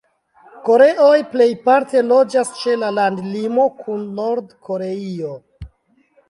Koreoj plejparte loĝas ĉe la landlimo kun Nord-Koreio.